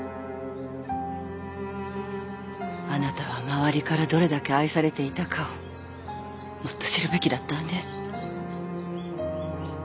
あなたは周りからどれだけ愛されていたかをもっと知るべきだったわね。